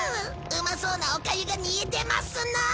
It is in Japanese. うまそうなおかゆが煮えてますなあ。